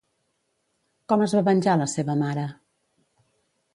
Com es va venjar la seva mare?